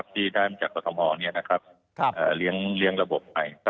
ที่ได้จากประธรรมฮอล์เลี้ยงระบบใหม่